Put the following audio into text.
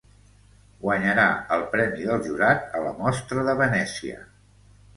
Guanyarà el Premi del jurat a la Mostra de Venècia.